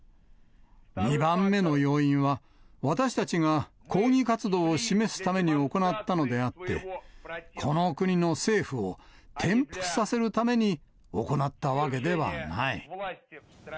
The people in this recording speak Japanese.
２番目の要因は、私たちが抗議活動を示すために行ったのであって、この国の政府を転覆させるために行ったわけではない。